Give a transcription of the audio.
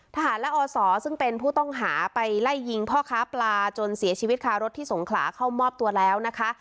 ทหารและอศซึ่งเป็นผู้ต้องหาไปไล่ยิงพ่อค้าปลาจนเสียชีวิตคารถที่สงขลาเข้ามอบตัวแล้วนะคะ